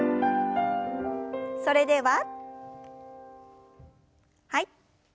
それでははい。